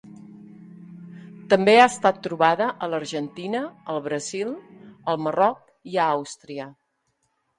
També ha estat trobada a l'Argentina, al Brasil, al Marroc i a Àustria.